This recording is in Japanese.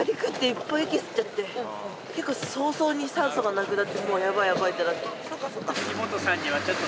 結構早々に酸素がなくなってもうヤバいヤバいってなって。